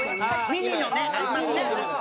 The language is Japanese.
ミニのねありますね。